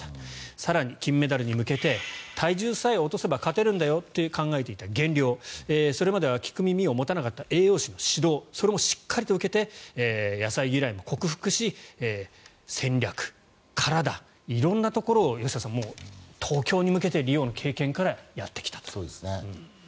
更に金メダルに向けて体重さえ落とせば勝てるんだよと考えていた減量もそれまでは聞く耳を持たなかった栄養士の指導それもしっかり受けて野菜嫌いも克服し戦略、体、色んなところを吉田さん、東京に向けてリオの経験からやってきたと。